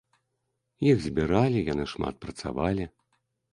Іх збіралі, яны шмат працавалі.